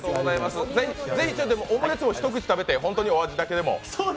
ぜひオムレツも一口食べて本当にお味だけでも。